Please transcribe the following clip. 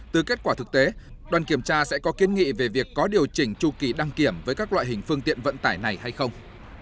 từ kết quả thực tế đoàn kiểm tra sẽ có kiên nghị về việc có điều chỉnh chu kỳ đăng kiểm với các loại hình phương tiện vận tải này hay không